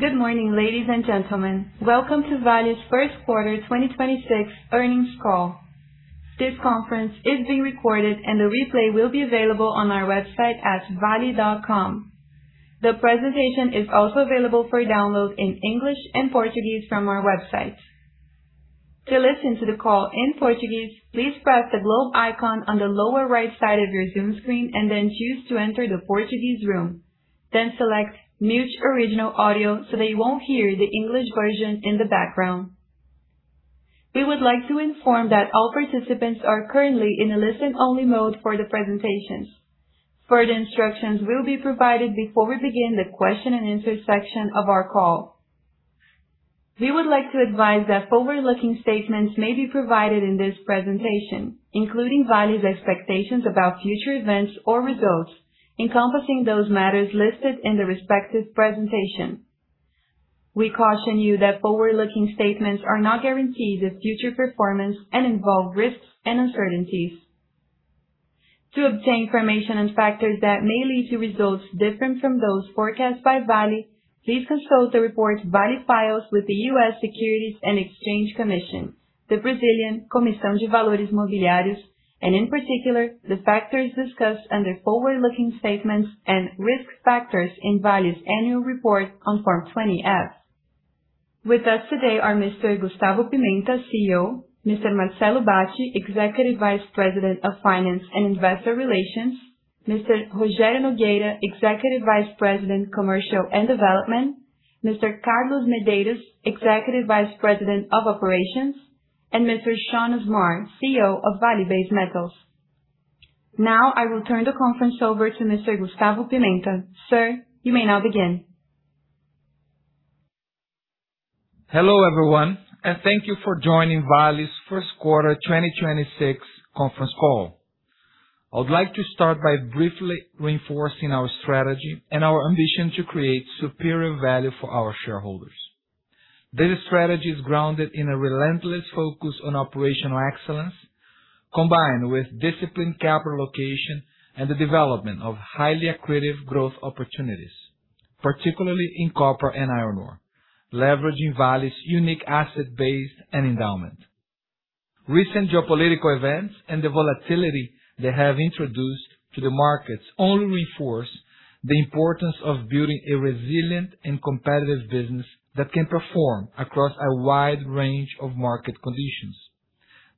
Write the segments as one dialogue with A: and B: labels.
A: Good morning, ladies and gentlemen. Welcome to Vale's First Quarter 2026 Earnings Call. This conference is being recorded, and the replay will be available on our website at vale.com. The presentation is also available for download in English and Portuguese from our website. To listen to the call in Portuguese, please press the globe icon on the lower right side of your Zoom screen and then choose to enter the Portuguese room. Select Mute Original Audio so that you won't hear the English version in the background. We would like to inform that all participants are currently in a listen-only mode for the presentations. Further instructions will be provided before we begin the question-and-answer section of our call. We would like to advise that forward-looking statements may be provided in this presentation, including Vale's expectations about future events or results encompassing those matters listed in the respective presentation. We caution you that forward-looking statements are not guarantees of future performance and involve risks and uncertainties. To obtain information on factors that may lead to results different from those forecast by Vale, please consult the report Vale files with the U.S. Securities and Exchange Commission, the Brazilian Comissão de Valores Mobiliários, and in particular, the factors discussed under forward-looking statements and risk factors in Vale's annual report on Form 20-F. With us today are Mr. Gustavo Pimenta, CEO; Mr. Marcelo Bacci, Executive Vice President of Finance and Investor Relations; Mr. Rogério Nogueira, Executive Vice President, Commercial and Development; Mr. Carlos Medeiros, Executive Vice President of Operations; and Mr. Shaun Usmar, CEO of Vale Base Metals. Now, I will turn the conference over to Mr. Gustavo Pimenta. Sir, you may now begin.
B: Hello, everyone, thank you for joining Vale's first quarter 2026 conference call. I would like to start by briefly reinforcing our strategy and our ambition to create superior value for our shareholders. This strategy is grounded in a relentless focus on operational excellence, combined with disciplined capital allocation and the development of highly accretive growth opportunities, particularly in copper and iron ore, leveraging Vale's unique asset base and endowment. Recent geopolitical events and the volatility they have introduced to the markets only reinforce the importance of building a resilient and competitive business that can perform across a wide range of market conditions.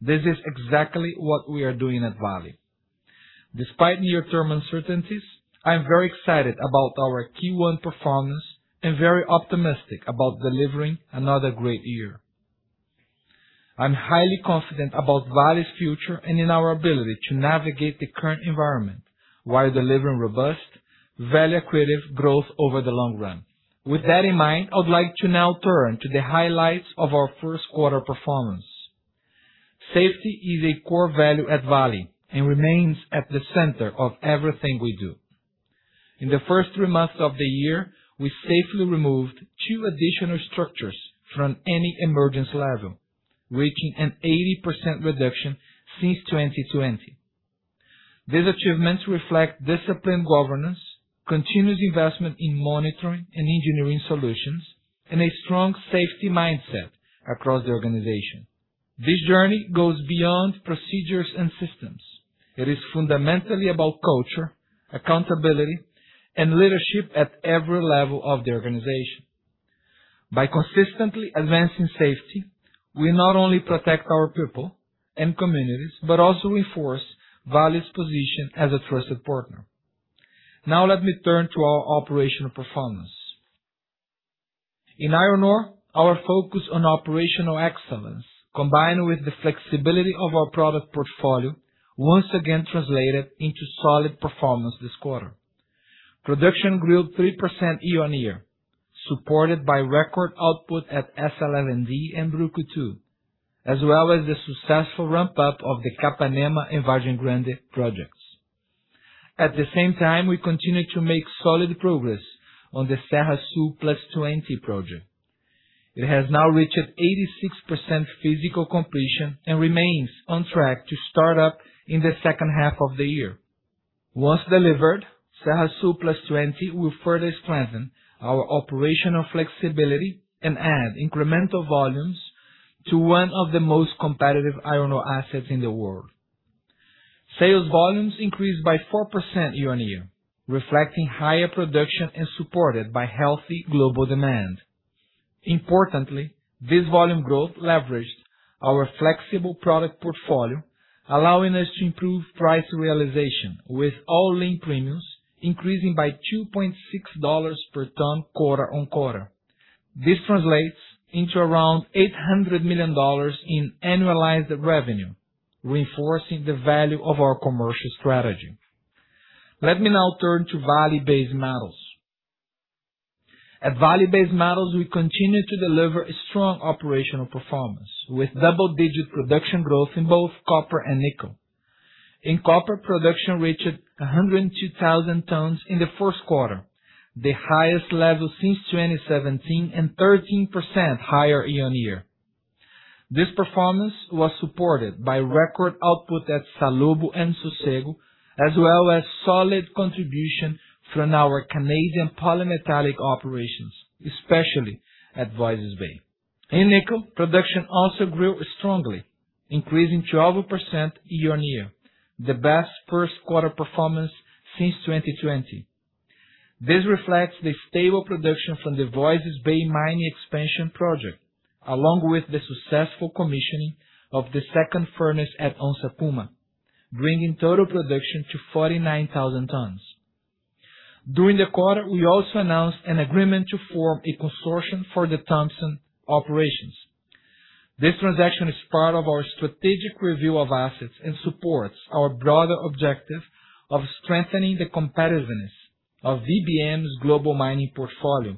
B: This is exactly what we are doing at Vale. Despite near-term uncertainties, I'm very excited about our Q1 performance and very optimistic about delivering another great year. I'm highly confident about Vale's future and in our ability to navigate the current environment while delivering robust, value-accretive growth over the long run. With that in mind, I would like to now turn to the highlights of our first quarter performance. Safety is a core value at Vale and remains at the center of everything we do. In the first three months of the year, we safely removed two additional structures from any emergence level, reaching an 80% reduction since 2020. These achievements reflect disciplined governance, continuous investment in monitoring and engineering solutions, and a strong safety mindset across the organization. This journey goes beyond procedures and systems. It is fundamentally about culture, accountability, and leadership at every level of the organization. By consistently advancing safety, we not only protect our people and communities, but also reinforce Vale's position as a trusted partner. Now let me turn to our operational performance. In iron ore, our focus on operational excellence, combined with the flexibility of our product portfolio, once again translated into solid performance this quarter. Production grew 3% year-on-year, supported by record output at S11D and Brucutu, as well as the successful ramp-up of the Capanema and Vargem Grande projects. At the same time, we continued to make solid progress on the Serra Sul +20 project. It has now reached 86% physical completion and remains on track to start up in the second half of the year. Once delivered, Serra Sul +20 will further strengthen our operational flexibility and add incremental volumes to one of the most competitive iron ore assets in the world. Sales volumes increased by 4% year-on-year, reflecting higher production and supported by healthy global demand. Importantly, this volume growth leveraged our flexible product portfolio, allowing us to improve price realization with all link premiums increasing by $2.6 per ton quarter-on-quarter. This translates into around $800 million in annualized revenue, reinforcing the value of our commercial strategy. Let me now turn to Vale Base Metals. At Vale Base Metals, we continue to deliver a strong operational performance with double-digit production growth in both copper and nickel. In copper, production reached 102,000 tons in the first quarter, the highest level since 2017 and 13% higher year-on-year. This performance was supported by record output at Salobo and Sossego, as well as solid contribution from our Canadian polymetallic operations, especially at Voisey's Bay. In nickel, production also grew strongly, increasing 12% year-on-year, the best first quarter performance since 2020. This reflects the stable production from the Voisey's Bay mining expansion project, along with the successful commissioning of the second furnace at Onça Puma, bringing total production to 49,000 tons. During the quarter, we also announced an agreement to form a consortium for the Thompson operations. This transaction is part of our strategic review of assets and supports our broader objective of strengthening the competitiveness of VBM's global mining portfolio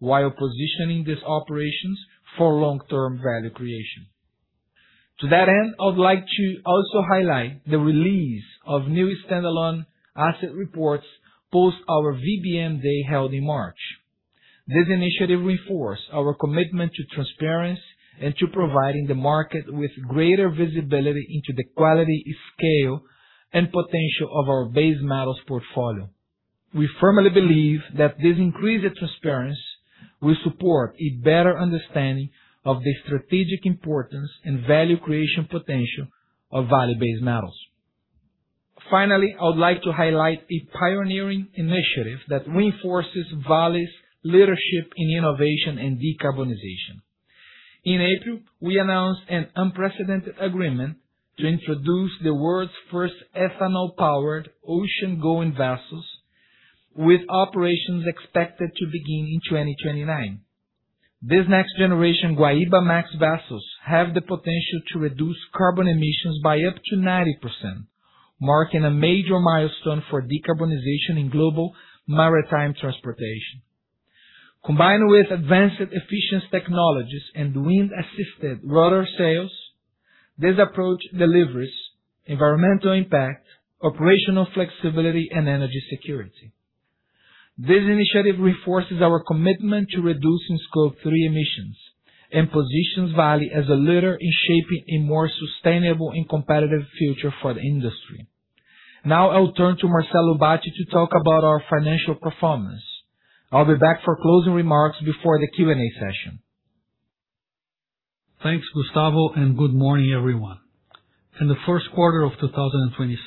B: while positioning these operations for long-term value creation. To that end, I would like to also highlight the release of new standalone asset reports post our VBM Day held in March. This initiative reinforce our commitment to transparency and to providing the market with greater visibility into the quality, scale, and potential of our Base Metals portfolio. We firmly believe that this increased transparency will support a better understanding of the strategic importance and value creation potential of Vale Base Metals. Finally, I would like to highlight a pioneering initiative that reinforces Vale's leadership in innovation and decarbonization. In April, we announced an unprecedented agreement to introduce the world's first ethanol-powered ocean-going vessels with operations expected to begin in 2029. These next-generation Guaibamax vessels have the potential to reduce carbon emissions by up to 90%, marking a major milestone for decarbonization in global maritime transportation. Combined with advanced efficient technologies and wind-assisted rotor sails, this approach delivers environmental impact, operational flexibility, and energy security. This initiative reinforces our commitment to reducing Scope 3 emissions and positions Vale as a leader in shaping a more sustainable and competitive future for the industry. Now I'll turn to Marcelo Bacci to talk about our financial performance. I'll be back for closing remarks before the Q&A session.
C: Thanks, Gustavo. Good morning, everyone. In the first quarter of 2026,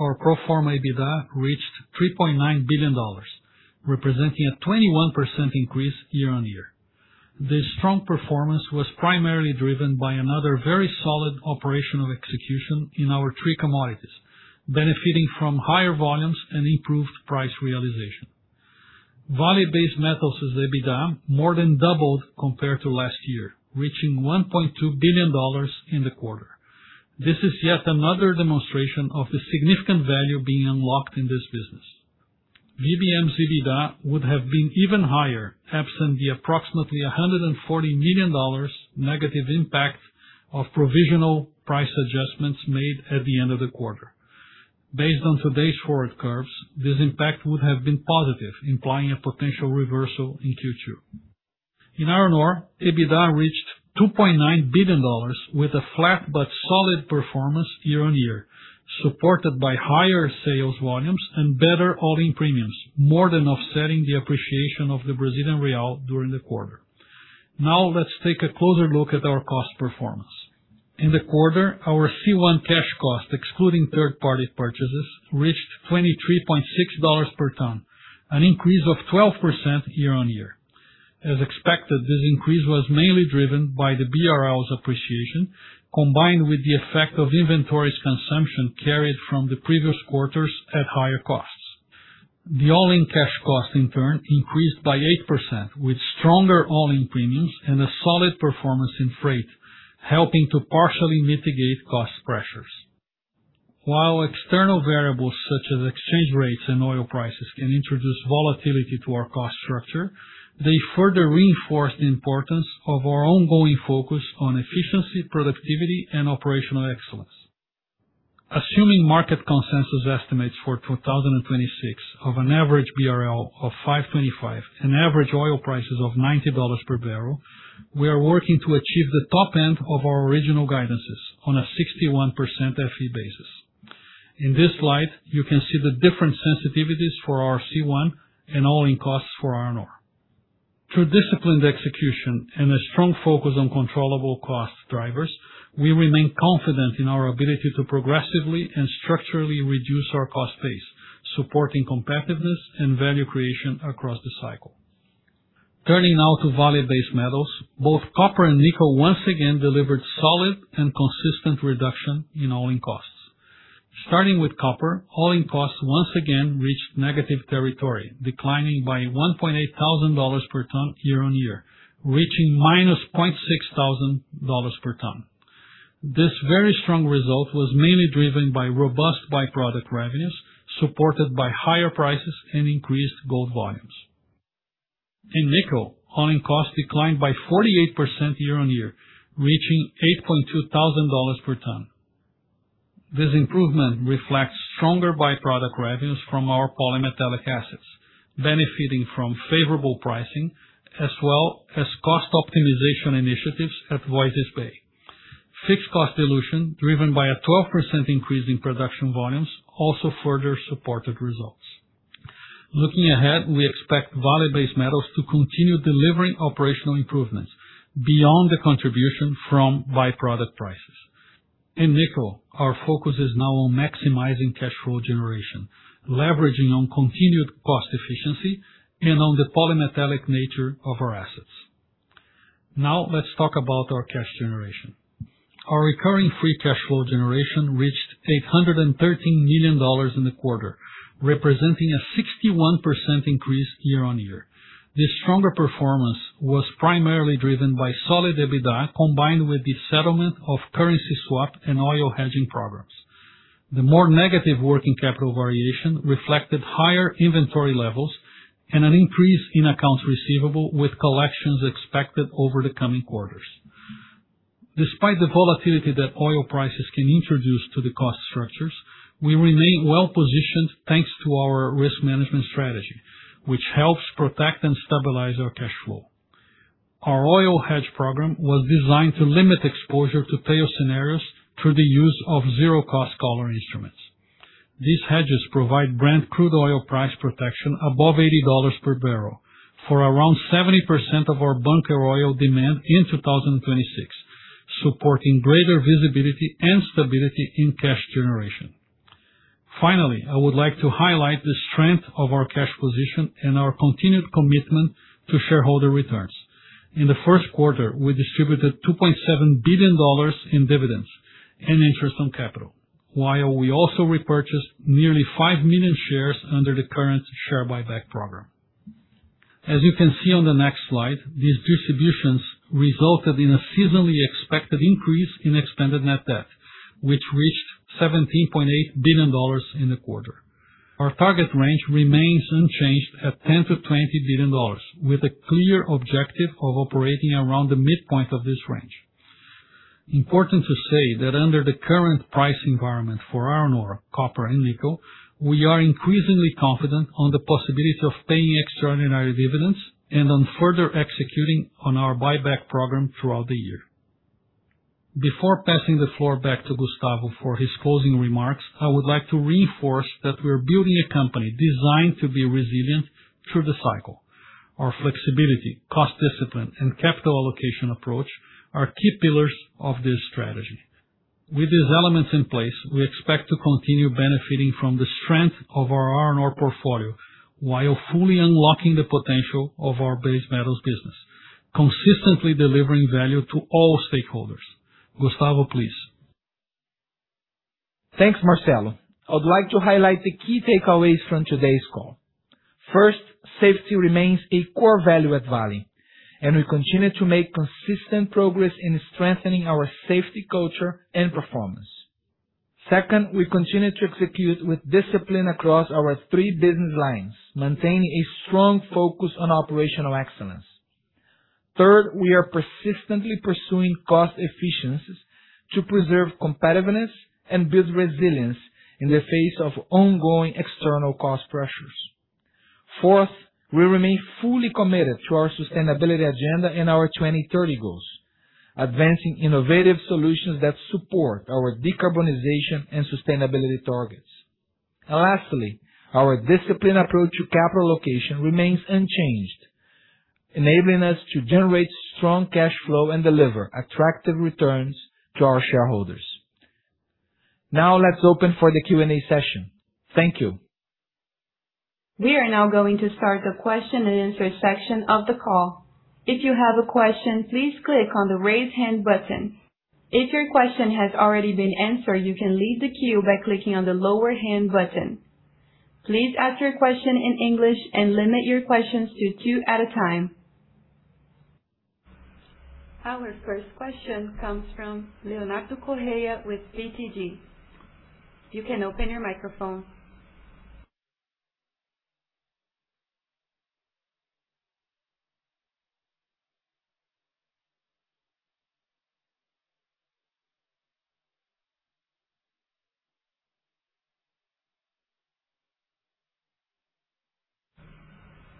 C: our pro forma EBITDA reached $3.9 billion, representing a 21% increase year-on-year. This strong performance was primarily driven by another very solid operational execution in our three commodities, benefiting from higher volumes and improved price realization. Vale Base Metals' EBITDA more than doubled compared to last year, reaching $1.2 billion in the quarter. This is yet another demonstration of the significant value being unlocked in this business. VBM's EBITDA would have been even higher, absent the approximately $140 million negative impact of provisional price adjustments made at the end of the quarter. Based on today's forward curves, this impact would have been positive, implying a potential reversal in Q2. In iron ore, EBITDA reached BRL 2.9 billion with a flat but solid performance year-on-year, supported by higher sales volumes and better all-in premiums, more than offsetting the appreciation of the Brazilian real during the quarter. Let's take a closer look at our cost performance. In the quarter, our C1 cash cost, excluding third-party purchases, reached $23.6 per ton, an increase of 12% year-on-year. As expected, this increase was mainly driven by the BRL's appreciation, combined with the effect of inventories consumption carried from the previous quarters at higher costs. The all-in cash cost, in turn, increased by 8%, with stronger all-in premiums and a solid performance in freight, helping to partially mitigate cost pressures. While external variables such as exchange rates and oil prices can introduce volatility to our cost structure, they further reinforce the importance of our ongoing focus on efficiency, productivity, and operational excellence. Assuming market consensus estimates for 2026 of an average BRL of 5.25, an average oil prices of $90 per barrel, we are working to achieve the top end of our original guidances on a 61% FE basis. In this slide, you can see the different sensitivities for our C1 and all-in costs for iron ore. Through disciplined execution and a strong focus on controllable cost drivers, we remain confident in our ability to progressively and structurally reduce our cost base, supporting competitiveness and value creation across the cycle. Turning now to Vale Base Metals, both copper and nickel once again delivered solid and consistent reduction in all-in costs. Starting with copper, all-in costs once again reached negative territory, declining by BRL 1,800 per ton year-on-year, reaching BRL -600 per ton. This very strong result was mainly driven by robust by-product revenues, supported by higher prices and increased gold volumes. In nickel, all-in costs declined by 48% year-on-year, reaching BRL 8,200 per ton. This improvement reflects stronger by-product revenues from our polymetallic assets, benefiting from favorable pricing as well as cost optimization initiatives at Voisey's Bay. Fixed cost dilution, driven by a 12% increase in production volumes, also further supported results. Looking ahead, we expect Vale Base Metals to continue delivering operational improvements beyond the contribution from by-product prices. In nickel, our focus is now on maximizing cash flow generation, leveraging on continued cost efficiency and on the polymetallic nature of our assets. Let's talk about our cash generation. Our recurring free cash flow generation reached $813 million in the quarter, representing a 61% increase year-over-year. This stronger performance was primarily driven by solid EBITDA, combined with the settlement of currency swap and oil hedging programs. The more negative working capital variation reflected higher inventory levels and an increase in accounts receivable, with collections expected over the coming quarters. Despite the volatility that oil prices can introduce to the cost structures, we remain well-positioned thanks to our risk management strategy, which helps protect and stabilize our cash flow. Our oil hedge program was designed to limit exposure to tail scenarios through the use of zero-cost collar instruments. These hedges provide Brent crude oil price protection above BRL 80 per barrel for around 70% of our bunker oil demand in 2026, supporting greater visibility and stability in cash generation. I would like to highlight the strength of our cash position and our continued commitment to shareholder returns. In the first quarter, we distributed BRL 2.7 billion in dividends and interest on capital, while we also repurchased nearly 5 million shares under the current share buyback program. As you can see on the next slide, these distributions resulted in a seasonally expected increase in extended net debt, which reached BRL 17.8 billion in the quarter. Our target range remains unchanged at BRL 10 billion-BRL 20 billion, with a clear objective of operating around the midpoint of this range. Important to say that under the current price environment for iron ore, copper and nickel, we are increasingly confident on the possibility of paying extraordinary dividends and on further executing on our buyback program throughout the year. Before passing the floor back to Gustavo for his closing remarks, I would like to reinforce that we're building a company designed to be resilient through the cycle. Our flexibility, cost discipline, and capital allocation approach are key pillars of this strategy. With these elements in place, we expect to continue benefiting from the strength of our iron ore portfolio while fully unlocking the potential of our base metals business, consistently delivering value to all stakeholders. Gustavo, please.
B: Thanks, Marcelo. I would like to highlight the key takeaways from today's call. First, safety remains a core value at Vale, and we continue to make consistent progress in strengthening our safety culture and performance. Second, we continue to execute with discipline across our 3 business lines, maintaining a strong focus on operational excellence. Third, we are persistently pursuing cost efficiencies to preserve competitiveness and build resilience in the face of ongoing external cost pressures. Fourth, we remain fully committed to our sustainability agenda and our 2030 goals, advancing innovative solutions that support our decarbonization and sustainability targets. Lastly, our disciplined approach to capital allocation remains unchanged, enabling us to generate strong cash flow and deliver attractive returns to our shareholders. Now let's open for the Q&A session. Thank you.
A: We are now going to start the question and answer section of the call. If you have a question, please click on the Raise Hand button. If your question has already been answered, you can leave the queue by clicking on the Lower Hand button. Please ask your question in English and limit your questions to two at a time. Our first question comes from Leonardo Correa with BTG. You can open your microphone.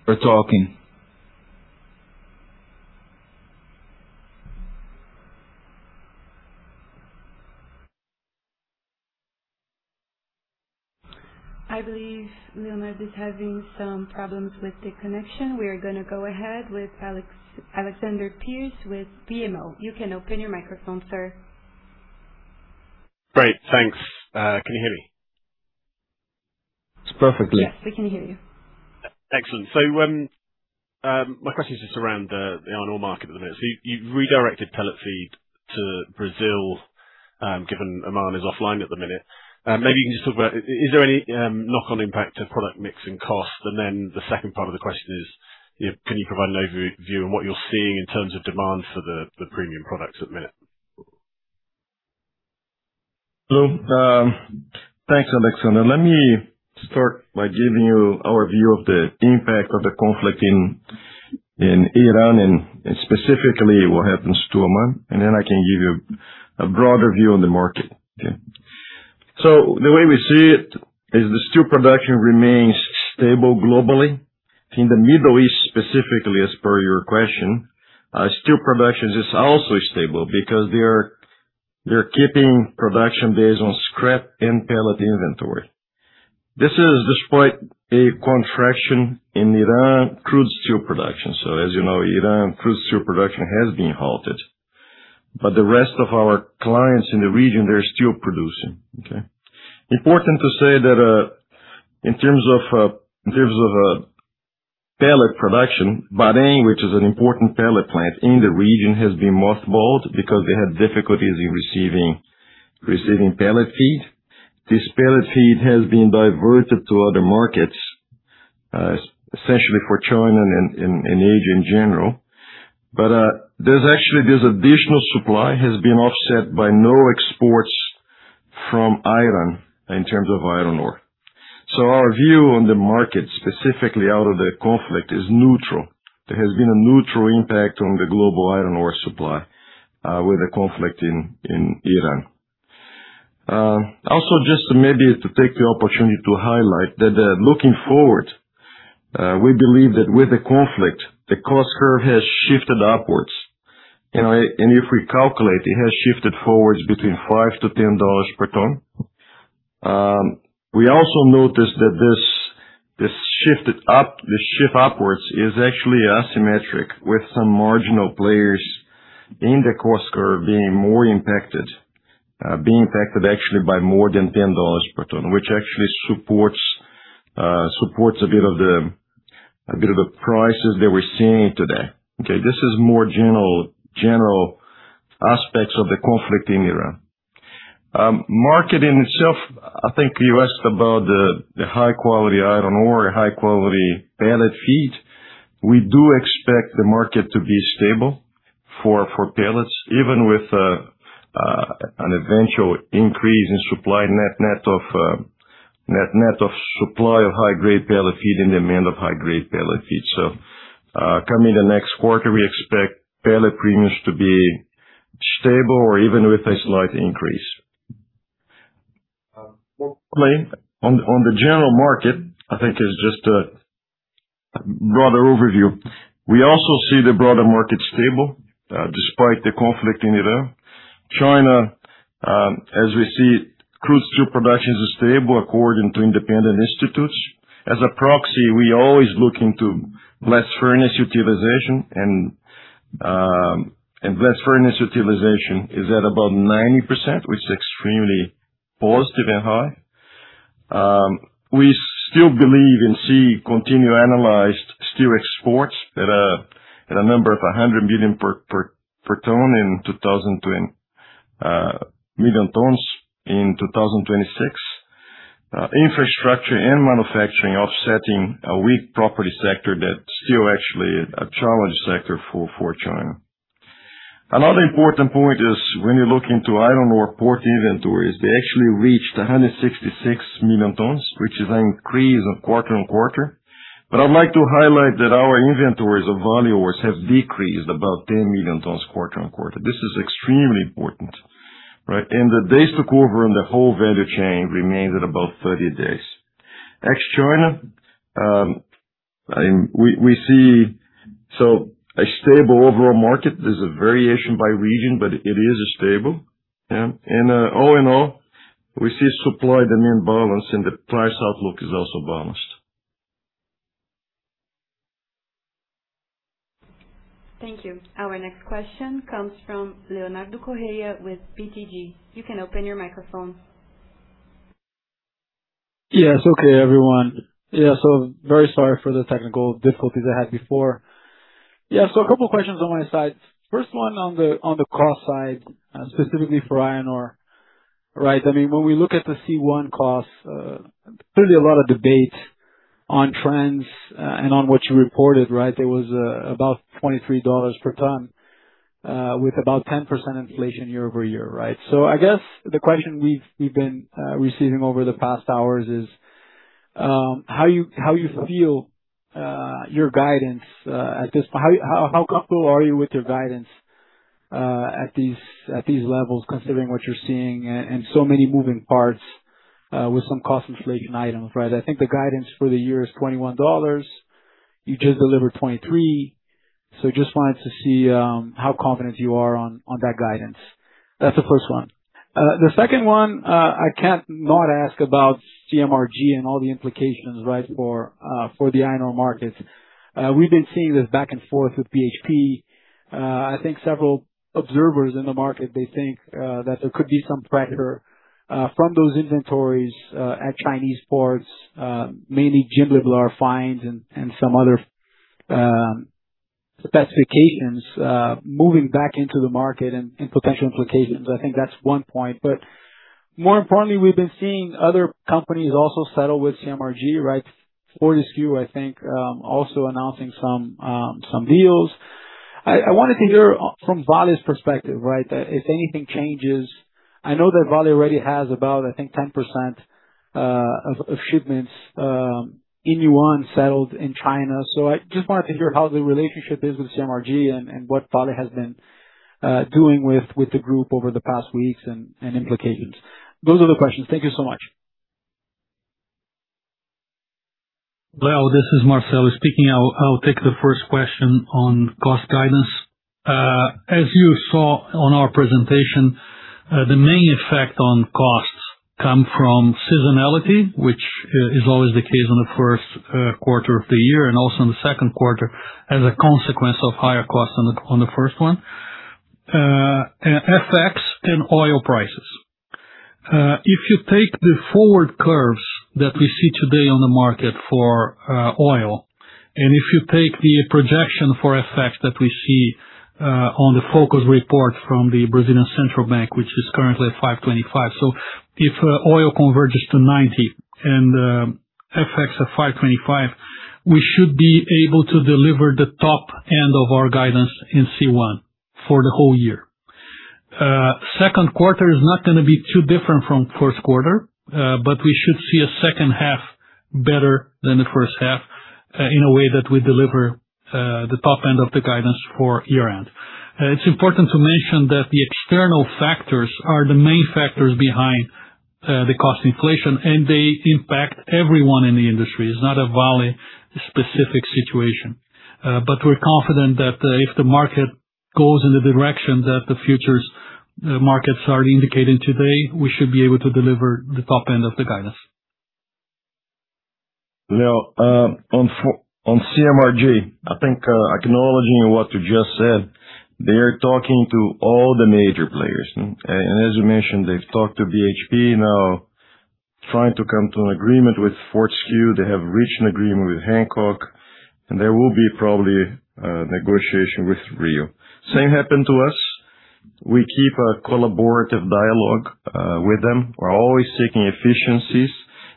D: We're talking.
A: I believe Leonardo is having some problems with the connection. We are going to go ahead with Alexander Pearce with BMO. You can open your microphone, sir.
E: Great. Thanks. Can you hear me?
B: Yes, perfectly.
A: Yes, we can hear you.
E: Excellent. My question is just around the iron ore market at the minute. You've redirected pellet feed to Brazil, given Oman is offline at the minute. Maybe you can just talk about, is there any knock-on impact to product mix and cost? Then the second part of the question is, you know, can you provide an overview on what you're seeing in terms of demand for the premium products at the minute?
F: Thanks, Alexander. Let me start by giving you our view of the impact of the conflict in Iran and specifically what happens to Oman, and then I can give you a broader view on the market. Okay. The way we see it is the steel production remains stable globally. In the Middle East, specifically as per your question, steel production is also stable because they are keeping production based on scrap and pellet inventory. This is despite a contraction in Iran crude steel production. As you know, Iran crude steel production has been halted, but the rest of our clients in the region, they're still producing. Okay? Important to say that in terms of pellet production, Bahrain, which is an important pellet plant in the region, has been mothballed because they had difficulties in receiving pellet feed. This pellet feed has been diverted to other markets, essentially for China and Asia in general. There's actually this additional supply has been offset by no exports from Iran in terms of iron ore. Our view on the market, specifically out of the conflict, is neutral. There has been a neutral impact on the global iron ore supply with the conflict in Iran. Just maybe to take the opportunity to highlight that looking forward, we believe that with the conflict, the cost curve has shifted upwards. If we calculate, it has shifted forwards between $5-$10 per ton. We also noticed that this shift upwards is actually asymmetric, with some marginal players in the cost curve being more impacted, actually by more than $10 per ton, which actually supports a bit of the prices that we're seeing today. Okay, this is more general aspects of the conflict in Iran. Market in itself, I think you asked about the high quality iron ore, high quality pellet feed. We do expect the market to be stable for pellets, even with an eventual increase in supply net of supply of high-grade pellet feed and demand of high-grade pellet feed. Coming the next quarter, we expect pellet premiums to be stable or even with a slight increase. On the general market, I think it's just a broader overview. We also see the broader market stable despite the conflict in Iran. China, as we see crude steel production is stable according to independent institutes. As a proxy, we always look into blast furnace utilization, and blast furnace utilization is at about 90%, which is extremely positive and high. We still believe and see continued annualized steel exports at a number of 100 million tons in 2026. Infrastructure and manufacturing offsetting a weak property sector that's still actually a challenged sector for China. Another important point is when you look into iron ore port inventories, they actually reached 166 million tons, which is an increase of quarter-on-quarter. I'd like to highlight that our inventories of value ores have decreased about 10 million tons quarter-on-quarter. This is extremely important, right? The days to cover in the whole value chain remains at about 30 days. Ex-China, we see a stable overall market. There's a variation by region, but it is stable. Yeah. All in all, we see supply demand balance and the price outlook is also balanced.
A: Thank you. Our next question comes from Leonardo Correa with BTG. You can open your microphone.
D: Okay, everyone. Very sorry for the technical difficulties I had before. A couple questions on my side. First one on the cost side, specifically for iron ore, right? I mean, when we look at the C1 costs, clearly a lot of debate on trends and on what you reported, right? There was about $23 per ton with about 10% inflation year-over-year, right? I guess the question we've been receiving over the past hours is, how comfortable are you with your guidance at these levels, considering what you're seeing and so many moving parts with some cost inflation items, right? I think the guidance for the year is $21. You just delivered $23. Just wanted to see how confident you are on that guidance. That's the first one. The second one, I can't not ask about CMRG and all the implications, right, for the iron ore markets. We've been seeing this back and forth with BHP. I think several observers in the market, they think that there could be some pressure from those inventories at Chinese ports, mainly Jimblebar Fines and some other specifications, moving back into the market and potential implications. I think that's one point. More importantly, we've been seeing other companies also settle with CMRG, right? Fortescue, I think, also announcing some deals. I wanted to hear from Vale's perspective, right? If anything changes. I know that Vale already has about, I think, 10% of shipments in Yuan settled in China. I just wanted to hear how the relationship is with CMRG and what Vale has been doing with the group over the past weeks and implications. Those are the questions. Thank you so much.
C: Leo, this is Marcelo speaking. I'll take the first question on cost guidance. As you saw on our presentation, the main effect on costs come from seasonality, which is always the case on the first quarter of the year and also in the second quarter as a consequence of higher costs on the first one. FX and oil prices. If you take the forward curves that we see today on the market for oil, and if you take the projection for FX that we see on the focus report from the Central Bank of Brazil, which is currently at 5.25. If oil converges to $90 and FX at 5.25, we should be able to deliver the top end of our guidance in C1 for the whole year. Second quarter is not gonna be too different from first quarter, we should see a second half better than the first half, in a way that we deliver the top end of the guidance for year-end. It's important to mention that the external factors are the main factors behind the cost inflation, and they impact everyone in the industry. It's not a Vale-specific situation. We're confident that if the market goes in the direction that the futures markets are indicating today, we should be able to deliver the top end of the guidance.
F: Leo, on CMRG, I think, acknowledging what you just said, they're talking to all the major players. As you mentioned, they've talked to BHP now, trying to come to an agreement with Fortescue. They have reached an agreement with Hancock. There will be probably negotiation with Rio. Same happened to us. We keep a collaborative dialogue with them. We're always seeking efficiencies,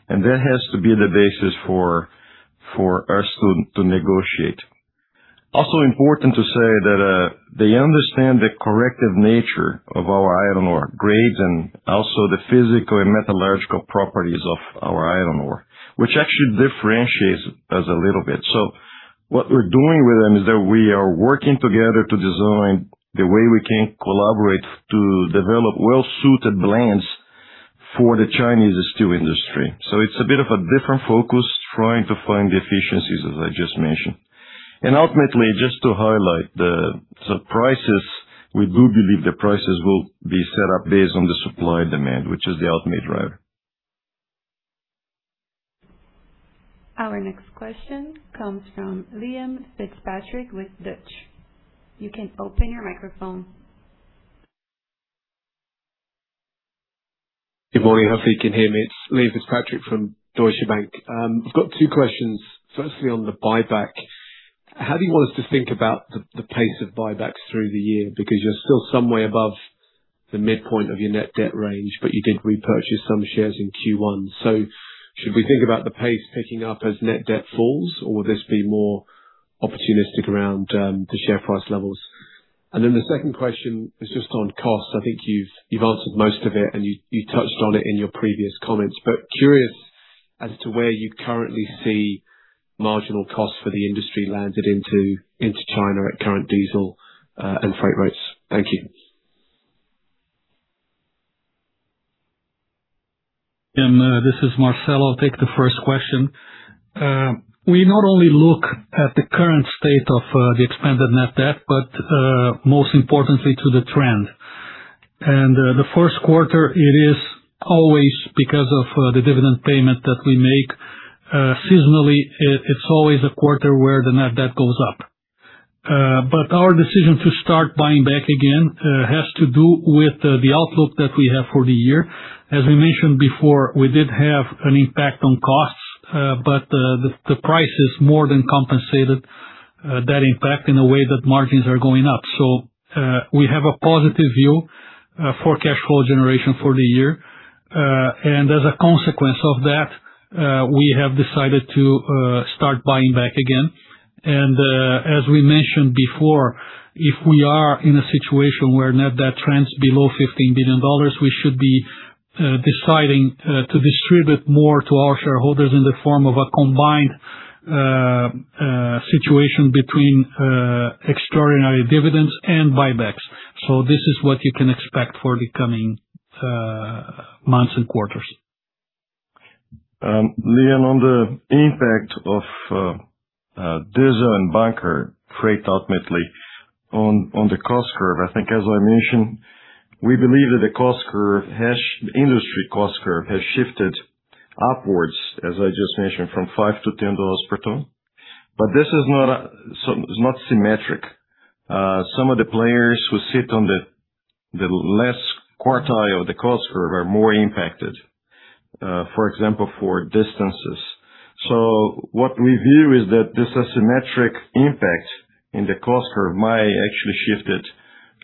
F: and that has to be the basis for us to negotiate. Also important to say that they understand the corrective nature of our iron ore grades and also the physical and metallurgical properties of our iron ore, which actually differentiates us a little bit. What we're doing with them is that we are working together to design the way we can collaborate to develop well-suited blends for the Chinese steel industry. It's a bit of a different focus, trying to find the efficiencies, as I just mentioned. Ultimately, just to highlight the prices, we do believe the prices will be set up based on the supply demand, which is the ultimate driver.
A: Our next question comes from Liam Fitzpatrick with Deutsche. You can open your microphone.
G: Good morning. Hopefully you can hear me. It's Liam Fitzpatrick from Deutsche Bank. I've got two questions. Firstly, on the buyback, how do you want us to think about the pace of buybacks through the year? You're still some way above the midpoint of your net debt range, but you did repurchase some shares in Q1. Should we think about the pace picking up as net debt falls, or will this be more opportunistic around the share price levels? The second question is just on costs. I think you've answered most of it and you touched on it in your previous comments, but curious as to where you currently see marginal costs for the industry landed into China at current diesel and freight rates. Thank you.
C: This is Marcelo. I'll take the first question. We not only look at the current state of the expanded net debt, but most importantly, to the trend. The first quarter, it is always because of the dividend payment that we make. Seasonally, it's always a quarter where the net debt goes up. Our decision to start buying back again has to do with the outlook that we have for the year. As we mentioned before, we did have an impact on costs, but the price is more than compensated that impact in the way that margins are going up. We have a positive view for cash flow generation for the year. As a consequence of that, we have decided to start buying back again. As we mentioned before, if we are in a situation where net debt trends below $15 billion, we should be, deciding, to distribute more to our shareholders in the form of a combined, situation between, extraordinary dividends and buybacks. This is what you can expect for the coming, months and quarters.
F: Liam, on the impact of diesel and bunker freight, ultimately, on the cost curve, I think as I mentioned, we believe that the industry cost curve has shifted upwards, as I just mentioned, from $5-$10 per ton. This is not so it's not symmetric. Some of the players who sit on the last quartile of the cost curve are more impacted, for example, for distances. What we view is that this asymmetric impact in the cost curve may actually shift it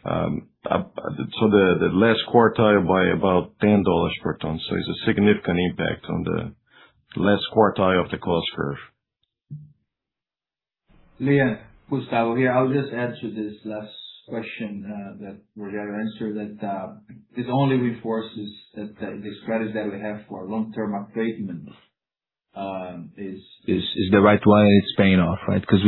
F: up, so the last quartile by about $10 per ton. It's a significant impact on the last quartile of the cost curve.
B: Liam, Gustavo here. I'll just add to this last question that Rogério answered that this only reinforces that the strategy that we have for long-term affreightment is the right one, and it's paying off, right? Because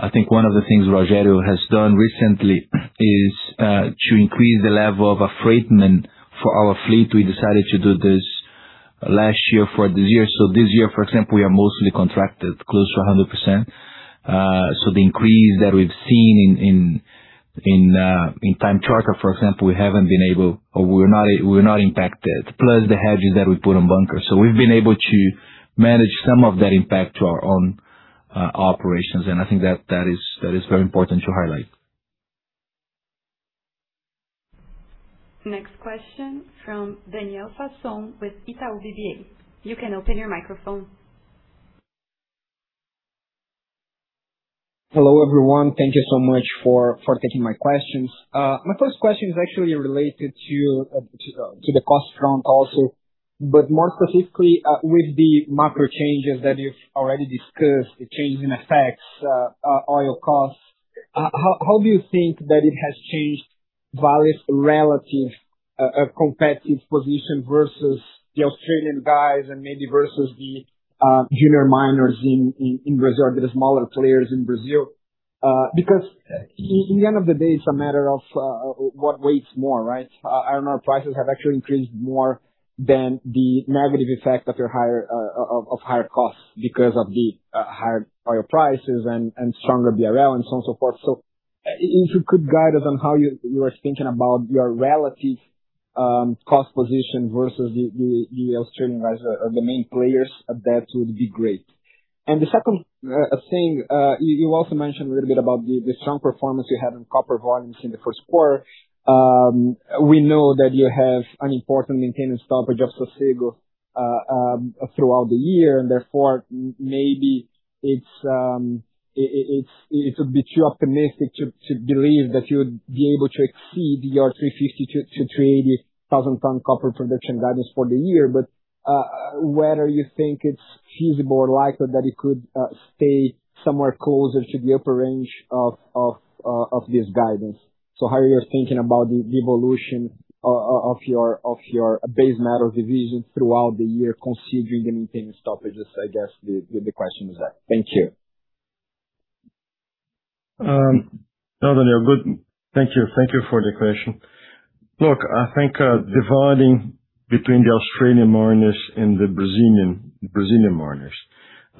B: I think one of the things Rogério has done recently is to increase the level of affreightment for our fleet. We decided to do this last year for this year. This year, for example, we are mostly contracted close to 100%. The increase that we've seen in time charter, for example, we haven't been able or we're not impacted. Plus the hedges that we put on bunker. We've been able to manage some of that impact to our own operations, and I think that is very important to highlight.
A: Next question from Daniel Sasson with Itaú BBA. You can open your microphone.
H: Hello, everyone. Thank you so much for taking my questions. My first question is actually related to the cost front also. More specifically, with the macro changes that you've already discussed, the change in FX, oil costs, how do you think that it has changed Vale's relative competitive position versus the Australian guys and maybe versus the junior miners in Brazil or the smaller players in Brazil? Because in the end of the day, it's a matter of what weighs more, right? Iron ore prices have actually increased more than the negative effect of your higher, of higher costs because of the higher oil prices and stronger BRL and so on, so forth. If you could guide us on how you are thinking about your relative cost position versus the Australian guys or the main players, that would be great. The second thing, you also mentioned a little bit about the strong performance you had in copper volumes in the first quarter. We know that you have an important maintenance stoppage of Sossego throughout the year, and therefore maybe it's, it would be too optimistic to believe that you would be able to exceed your 350,000-380,000 tons copper production guidance for the year. Whether you think it's feasible or likely that it could stay somewhere closer to the upper range of this guidance. How you're thinking about the evolution of your, of your base metal division throughout the year considering the maintenance stoppages, I guess the question is that. Thank you.
F: No, Daniel. Good. Thank you. Thank you for the question. Look, I think, dividing between the Australian miners and the Brazilian miners.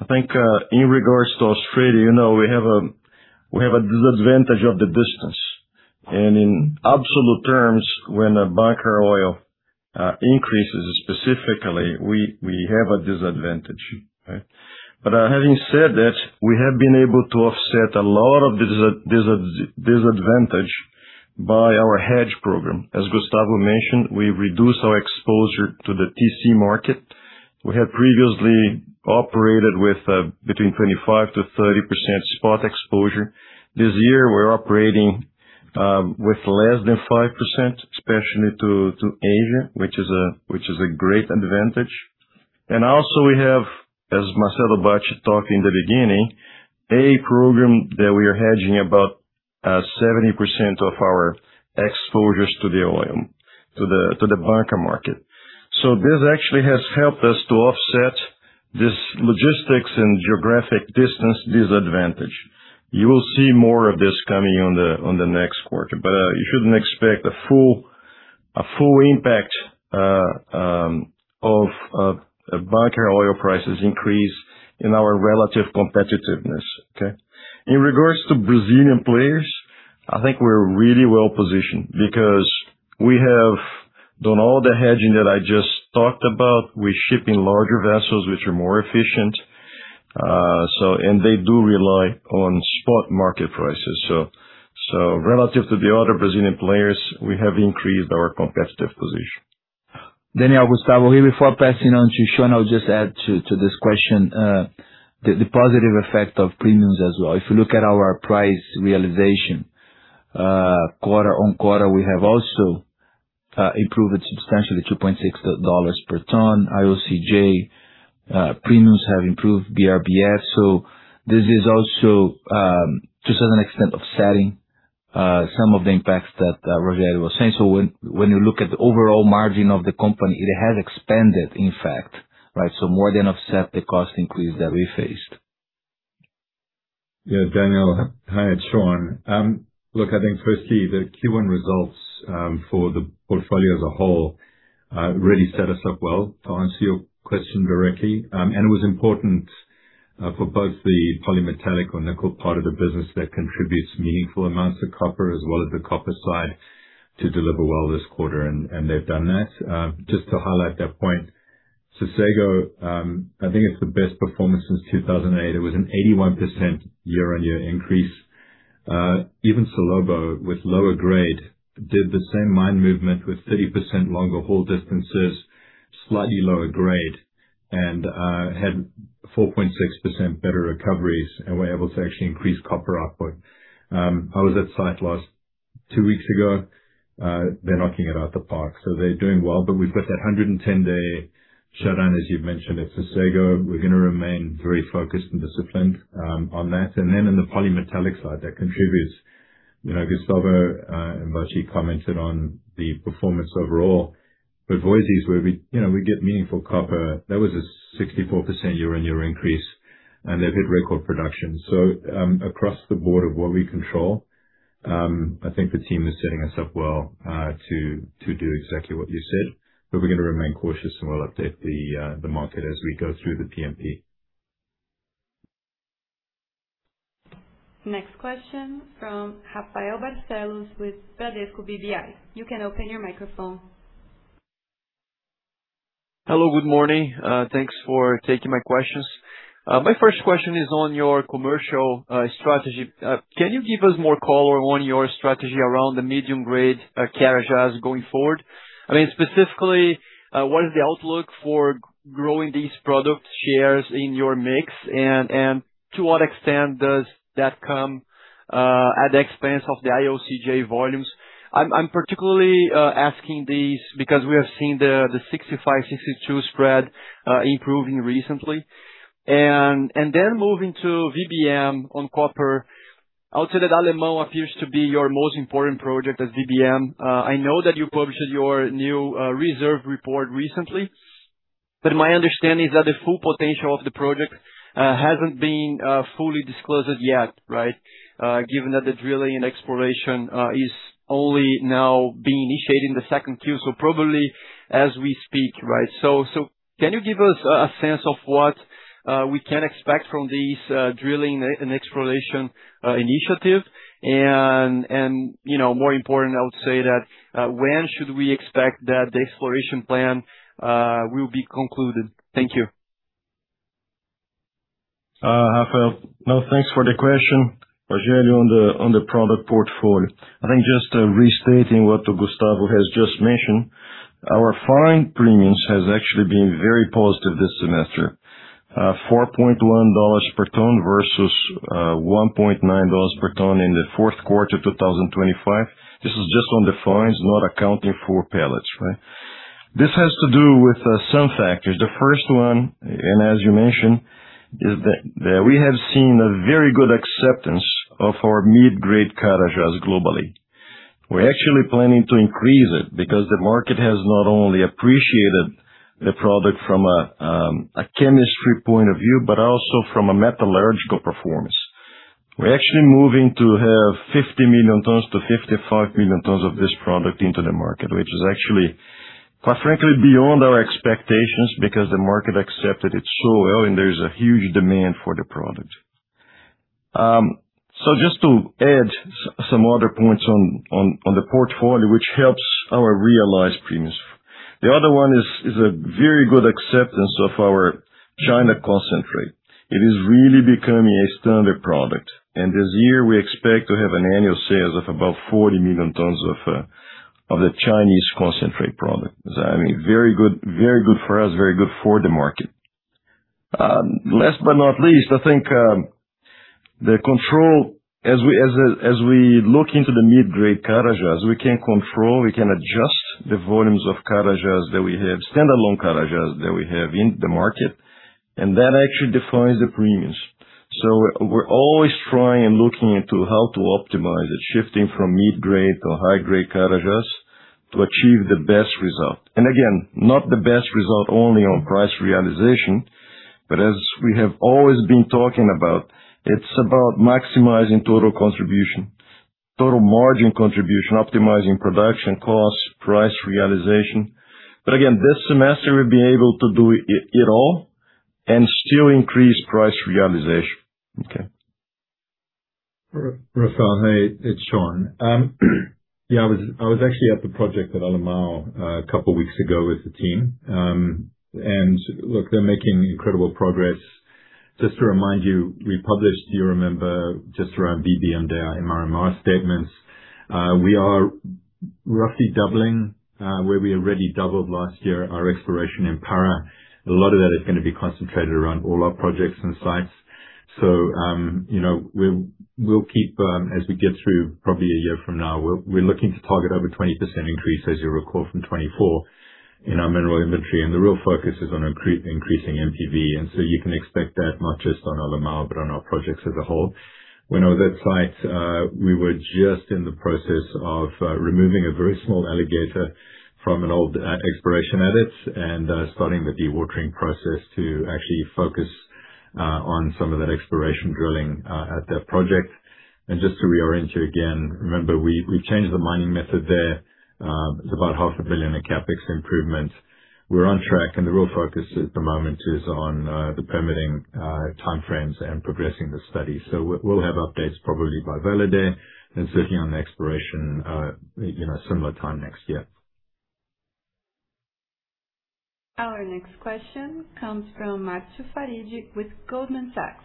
F: I think, in regards to Australia, you know, we have a disadvantage of the distance. In absolute terms, when a bunker oil increases specifically, we have a disadvantage. Right? Having said that, we have been able to offset a lot of disadvantage by our hedge program. As Gustavo mentioned, we've reduced our exposure to the TC market. We had previously operated with between 25%-30% spot exposure. This year, we're operating with less than 5%, especially to Asia, which is a great advantage. We have, as Marcelo Bacci talked in the beginning, a program that we are hedging about 70% of our exposures to the oil, to the bunker market. This actually has helped us to offset this logistics and geographic distance disadvantage. You will see more of this coming on the next quarter, but you shouldn't expect a full impact of bunker oil prices increase in our relative competitiveness. Okay. In regards to Brazilian players, I think we're really well-positioned because we have done all the hedging that I just talked about. We're shipping larger vessels which are more efficient. They do rely on spot market prices. Relative to the other Brazilian players, we have increased our competitive position.
B: Daniel, Gustavo here. Before passing on to Shaun, I'll just add to this question, the positive effect of premiums as well. If you look at our price realization, quarter-on-quarter, we have also improved substantially to $0.6 per ton. IOCJ premiums have improved BRBF. This is also just as an extent of setting some of the impacts that Rogério was saying. When you look at the overall margin of the company, it has expanded, in fact, right? More than offset the cost increase that we faced.
I: Yeah. Daniel, hi. It's Shaun. Look, I think firstly, the Q1 results for the portfolio as a whole really set us up well to answer your question directly. It was important for both the polymetallic or nickel part of the business that contributes meaningful amounts of copper as well as the copper side to deliver well this quarter. They've done that. Just to highlight that point, Sossego, I think it's the best performance since 2008. It was an 81% year-on-year increase. Even Salobo with lower grade did the same mine movement with 30% longer haul distances, slightly lower grade, and had 4.6% better recoveries and were able to actually increase copper output. How was that site loss? two weeks ago, they're knocking it out the park. They're doing well. We've got that 110 day shutdown, as you've mentioned, at Sossego. We're gonna remain very focused and disciplined on that. Then in the polymetallic side that contributes, you know, Gustavo and Bacci commented on the performance overall. Voisey's where we, you know, we get meaningful copper. That was a 64% year-on-year increase, and they've hit record production. Across the board of what we control, I think the team is setting us up well to do exactly what you said. We're gonna remain cautious, and we'll update the market as we go through the PMP.
A: Next question from Rafael Barcellos with Bradesco BBI. You can open your microphone.
J: Hello, good morning. Thanks for taking my questions. My first question is on your commercial strategy. Can you give us more color on your strategy around the medium-grade Carajás going forward? I mean specifically, what is the outlook for growing these product shares in your mix? To what extent does that come at the expense of the IOCJ volumes? I'm particularly asking this because we have seen the 65, 62 spread improving recently. Moving to VBM on copper. I would say that Alemão appears to be your most important project as VBM. I know that you published your new reserve report recently, but my understanding is that the full potential of the project hasn't been fully disclosed yet, right? Given that the drilling and exploration is only now being initiated in the second quarter, so probably as we speak, right? Can you give us a sense of what we can expect from these drilling and exploration initiative? You know, more important, I would say that when should we expect that the exploration plan will be concluded? Thank you.
F: Rafael, no, thanks for the question. Rogério, on the product portfolio. I think just restating what Gustavo has just mentioned, our fine premiums has actually been very positive this semester. $4.1 per ton versus $ 1.9 per ton in the fourth quarter of 2025. This is just on the fines, not accounting for pellets, right? This has to do with some factors. The first one, as you mentioned, is that we have seen a very good acceptance of our mid-grade Carajás globally. We're actually planning to increase it because the market has not only appreciated the product from a chemistry point of view, but also from a metallurgical performance. We're actually moving to have 50 million tons-55 million tons of this product into the market, which is actually, quite frankly, beyond our expectations because the market accepted it so well and there's a huge demand for the product. Just to add some other points on the portfolio, which helps our realized premiums. The other one is a very good acceptance of our China concentrate. It is really becoming a standard product. This year, we expect to have an annual sales of about 40 million tons of the Chinese concentrate product. I mean, very good, very good for us, very good for the market. Last but not least, I think the control as we look into the mid-grade Carajás, we can control, we can adjust the volumes of Carajás that we have, standalone Carajás that we have in the market, and that actually defines the premiums. We're always trying and looking into how to optimize it, shifting from mid-grade to high-grade Carajás to achieve the best result. Again, not the best result only on price realization, but as we have always been talking about, it's about maximizing total contribution, total margin contribution, optimizing production costs, price realization. Again, this semester we've been able to do it all and still increase price realization. Okay.
I: Rafael, hey, it's Shaun. I was actually at the project at Alemão a couple weeks ago with the team. Look, they're making incredible progress. Just to remind you, we published, you remember, just around BRBF and our MRMR statements. We are roughly doubling, where we already doubled last year, our exploration in Pará. A lot of that is gonna be concentrated around all our projects and sites. You know, we'll keep, as we get through probably a year from now, we're looking to target over 20% increase, as you'll recall, from 2024 in our mineral inventory. The real focus is on increasing NPV. You can expect that not just on Alemão, but on our projects as a whole. When I was at site, we were just in the process of removing a very small alligator from an old exploration adit and starting the dewatering process to actually focus on some of that exploration drilling at that project. Just to reorient you again, remember we changed the mining method there. It's about half a billion BRL in CapEx improvements. We're on track, and the real focus at the moment is on the permitting timeframes and progressing the study. We'll have updates probably by Vale Day and certainly on the exploration, you know, similar time next year.
A: Our next question comes from Marcio Farid with Goldman Sachs.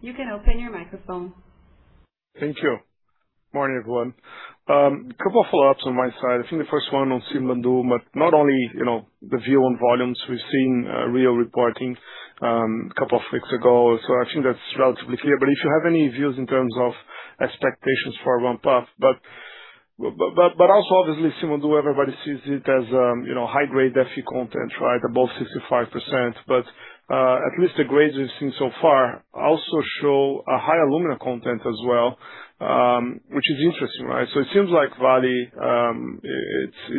A: You can open your microphone.
K: Thank you. Morning, everyone. Two follow-ups on my side. I think the first one on Simandou, not only, you know, the view on volumes. We've seen Rio reporting two weeks ago. I think that's relatively clear. If you have any views in terms of expectations for ramp up. Also obviously, Simandou, everybody sees it as, you know, high-grade Fe content, right? Above 65%. At least the grades we've seen so far also show a high alumina content as well, which is interesting, right? It seems like Vale,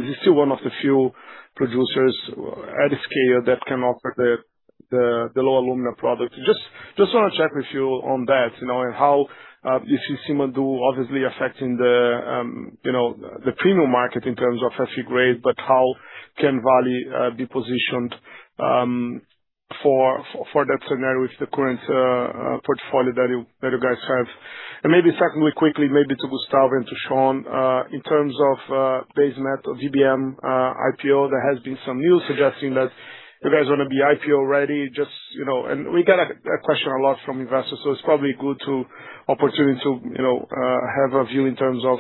K: it's still one of the few producers at scale that can offer the low alumina product. Just wanna check with you on that, you know, and how you see Simandou obviously affecting the, you know, the premium market in terms of Fe grade, but how can Vale be positioned for that scenario with the current portfolio that you, that you guys have? Maybe secondly, quickly, maybe to Gustavo and to Shaun, in terms of Base Metal VBM IPO, there has been some news suggesting that you guys wanna be IPO ready. Just, you know, and we get a question a lot from investors, so it's probably good opportunity to, you know, have a view in terms of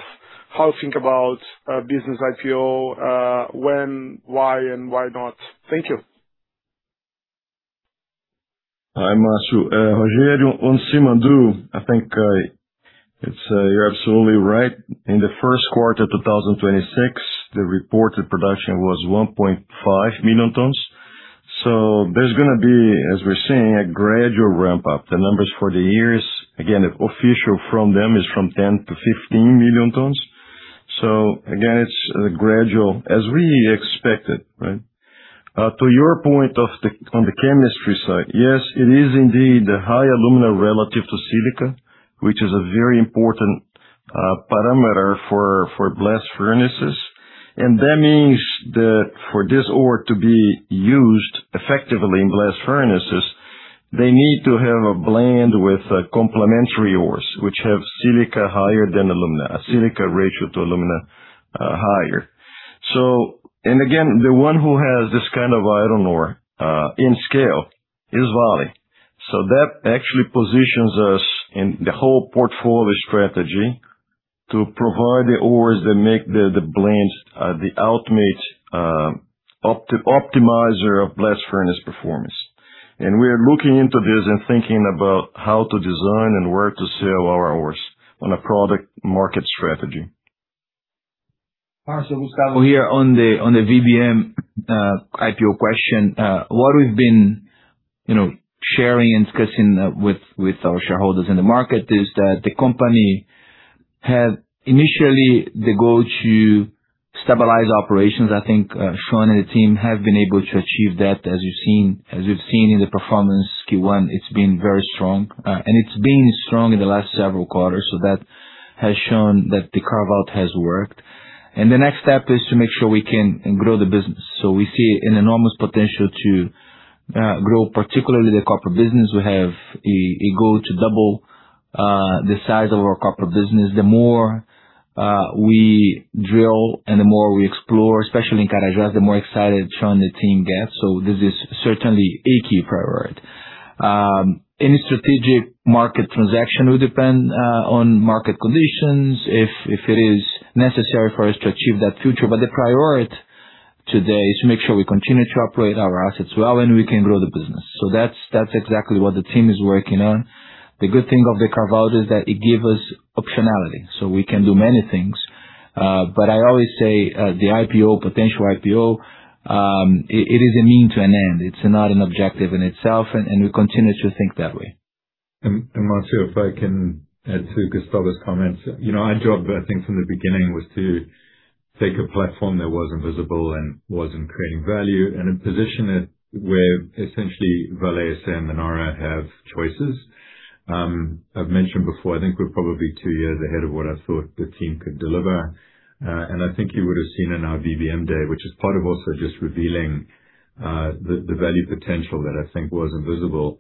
K: how to think about a business IPO, when, why, and why not. Thank you.
F: Hi, Marcio. Rogério, on Simandou, I think it's you're absolutely right. In the first quarter of 2026, the reported production was 1.5 million tons. There's gonna be, as we're seeing, a gradual ramp-up. The numbers for the years, again, official from them is from 10 million-15 million tons. Again, it's gradual, as we expected, right? To your point on the chemistry side, yes, it is indeed a high alumina relative to silica, which is a very important parameter for blast furnaces. That means that for this ore to be used effectively in blast furnaces, they need to have a blend with complementary ores, which have silica higher than alumina. A silica ratio to alumina higher. Again, the one who has this kind of iron ore in scale is Vale. That actually positions us in the whole portfolio strategy to provide the ores that make the blends, the ultimate optimizer of blast furnace performance. We are looking into this and thinking about how to design and where to sell our ores on a product market strategy.
B: Marcio, Gustavo. Well, on the VBM IPO question, what we've been, you know, sharing and discussing with our shareholders in the market is that the company had initially the goal to stabilize operations. I think Shaun and the team have been able to achieve that. As you've seen, as we've seen in the performance Q1, it's been very strong. It's been strong in the last several quarters. That has shown that the carve-out has worked. The next step is to make sure we can grow the business. We see an enormous potential to grow, particularly the corporate business. We have a goal to double the size of our corporate business. The more we drill and the more we explore, especially in Carajás, the more excited Shaun and the team get. This is certainly a key priority. Any strategic market transaction will depend on market conditions if it is necessary for us to achieve that future. The priority today is to make sure we continue to operate our assets well, and we can grow the business. That's exactly what the team is working on. The good thing of the carve-out is that it gave us optionality, so we can do many things. I always say, the IPO, potential IPO, it is a means to an end. It's not an objective in itself and we continue to think that way.
I: Marcio, if I can add to Gustavo's comments. You know, our job, I think from the beginning, was to take a platform that wasn't visible and wasn't creating value and then position it where essentially Vale, [SM and Yara] have choices. I've mentioned before, I think we're probably two years ahead of what I thought the team could deliver. I think you would have seen in our VBM Day, which is part of also just revealing the value potential that I think was invisible.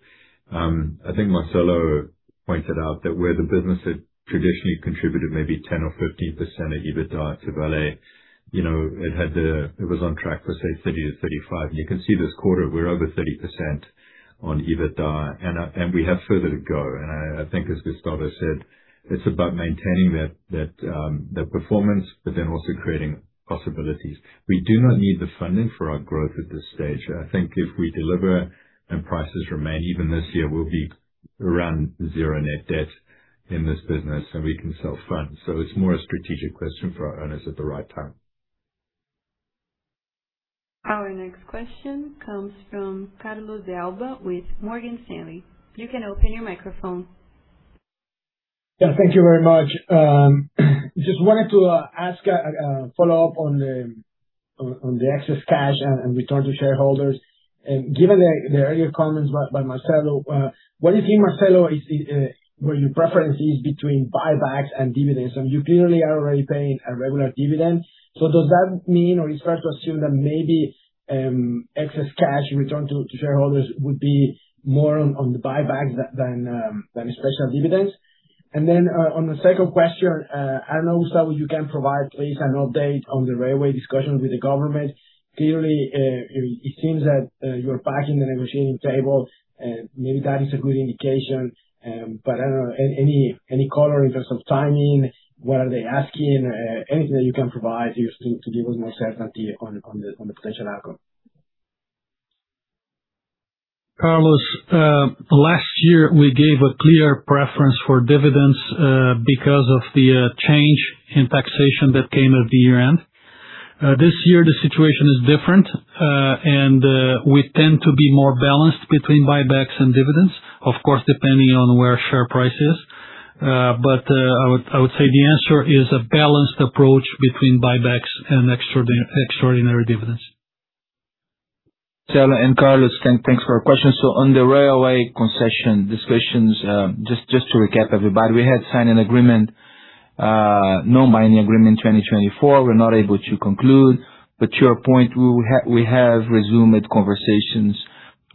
I: I think Marcelo pointed out that where the business had traditionally contributed maybe 10% or 15% of EBITDA to Vale, you know, it was on track for, say, 30%-35%. You can see this quarter, we're over 30% on EBITDA. We have further to go. I think as Gustavo said, it's about maintaining that performance, also creating possibilities. We do not need the funding for our growth at this stage. I think if we deliver and prices remain even this year, we'll be around zero net debt in this business, and we can self-fund. It's more a strategic question for our owners at the right time.
A: Our next question comes from Carlos de Alba with Morgan Stanley. You can open your microphone.
L: Yeah. Thank you very much. Just wanted to ask a follow-up on the excess cash and return to shareholders. Given the earlier comments by Marcelo, what do you think Marcelo is where your preference is between buybacks and dividends? You clearly are already paying a regular dividend. Does that mean, or is fair to assume that maybe excess cash return to shareholders would be more on the buyback than special dividends? On the second question, I don't know, Gustavo, you can provide, please, an update on the railway discussions with the government. Clearly, it seems that you're back in the negotiating table, maybe that is a good indication. I don't know, any color in terms of timing, what are they asking? Anything you can provide just to give us more certainty on the potential outcome.
C: Carlos, last year we gave a clear preference for dividends, because of the change in taxation that came at the year-end. This year the situation is different, and we tend to be more balanced between buybacks and dividends. Of course, depending on where share price is. I would say the answer is a balanced approach between buybacks and extraordinary dividends.
B: [Stellar], and Carlos, thanks for your question. On the railway concession discussions, just to recap everybody, we had signed an agreement, no mining agreement 2024, we're not able to conclude. To your point, we have resumed conversations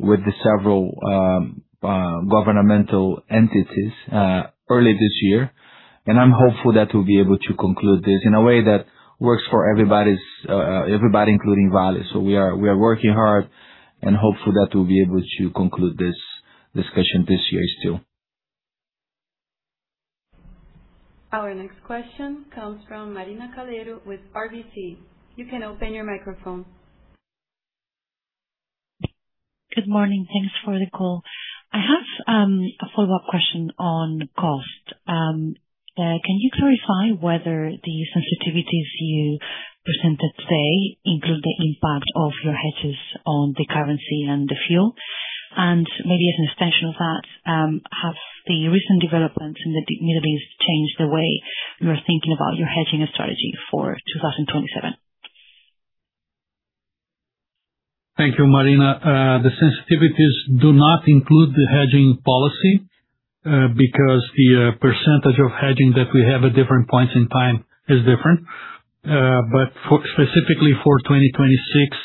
B: with the several governmental entities early this year. I'm hopeful that we'll be able to conclude this in a way that works for everybody's, everybody including Vale. We are working hard and hopeful that we'll be able to conclude this discussion this year still.
A: Our next question comes from Marina Calero with RBC. You can open your microphone.
M: Good morning. Thanks for the call. I have a follow-up question on cost. Can you clarify whether the sensitivities you presented today include the impact of your hedges on the currency and the fuel? Maybe as an extension of that, have the recent developments in the Middle East changed the way you are thinking about your hedging strategy for 2027?
C: Thank you, Marina. The sensitivities do not include the hedging policy because the percentage of hedging that we have at different points in time is different. But for specifically for 2026,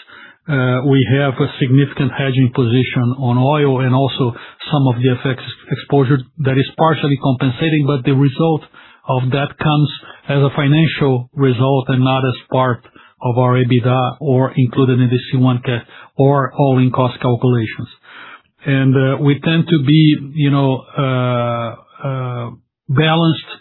C: we have a significant hedging position on oil and also some of the effects exposure that is partially compensating, but the result of that comes as a financial result and not as part of our EBITDA or included in the C1 cost or all-in cost calculations. We tend to be, you know, balanced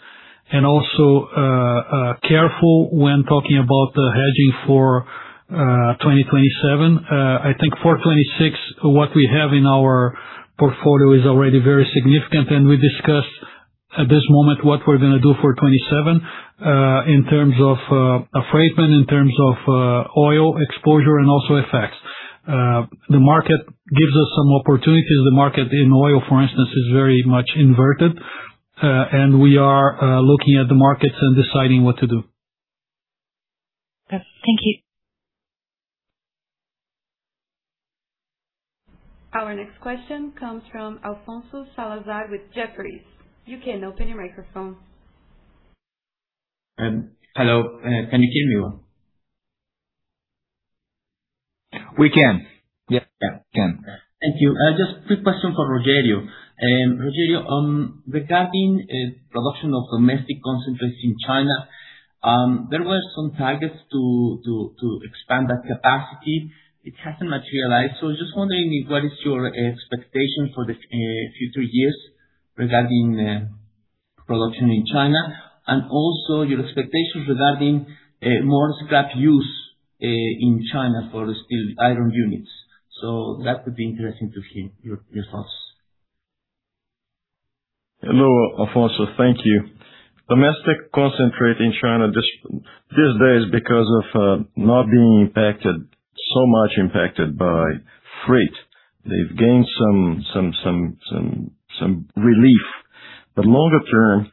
C: and also careful when talking about the hedging for 2027. I think for 2026, what we have in our portfolio is already very significant, and we discuss at this moment what we're gonna do for 2027, in terms of a freight plan, in terms of oil exposure and also effects. The market gives us some opportunities. The market in oil, for instance, is very much inverted, and we are looking at the markets and deciding what to do.
M: Yes. Thank you.
A: Our next question comes from Alfonso Salazar with Jefferies. You can open your microphone.
N: Hello. Can you hear me?
C: We can. Yes, yeah, we can.
N: Thank you. Just quick question for Rogério. Rogério, regarding production of domestic concentrates in China, there were some targets to expand that capacity. It hasn't materialized. Just wondering what is your expectation for the future years regarding production in China, and also your expectations regarding more scrap use in China for the steel iron units. That would be interesting to hear your thoughts.
F: Hello, Alfonso. Thank you. Domestic concentrate in China these days because of not being so much impacted by freight. They've gained some relief. Longer term,